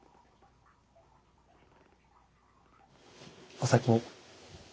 お先に。